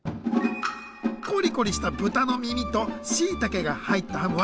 コリコリした豚の耳としいたけが入ったハムはゾータイ。